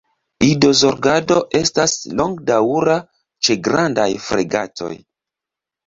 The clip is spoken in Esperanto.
Idozorgado estas longdaŭra ĉe Grandaj fregatoj.